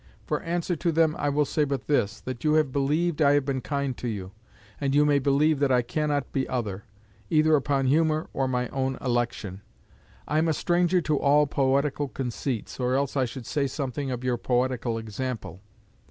For answer to them I will say but this, that you have believed I have been kind to you, and you may believe that I cannot be other, either upon humour or my own election. I am a stranger to all poetical conceits, or else I should say somewhat of your poetical example.